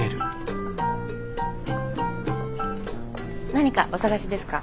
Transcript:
何かお探しですか？